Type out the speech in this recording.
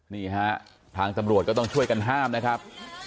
นี่ฮะทางตำรวจก็ต้องช่วยกันห้ามนะครับ